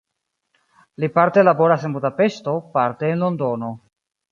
Li parte laboras en Budapeŝto, parte en Londono.